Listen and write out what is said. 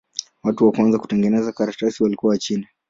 Watu wa kwanza kutengeneza karatasi walikuwa Wachina.